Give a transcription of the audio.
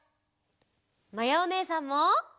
まやおねえさんも！